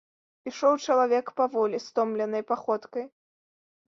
Ішоў чалавек паволі, стомленай паходкай.